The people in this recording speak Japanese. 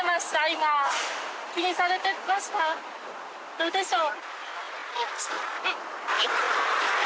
どうでしょう？